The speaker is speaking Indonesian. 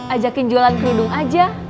ajakin jualan kerindung aja